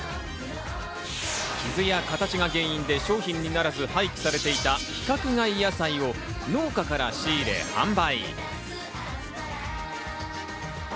キズや形が原因で商品にならず廃棄されていた規格外野菜を農家から仕入れ、販売。